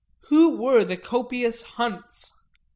Who were the copious Hunts?